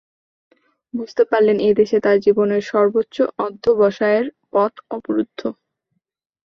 বুঝতে পারলেন এদেশে তাঁর জীবনে সর্বোচ্চ অধ্যবসায়ের পথ অবরুদ্ধ।